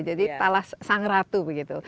jadi talas sang ratu begitu